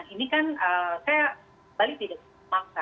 ini kan saya balik tidak memaksa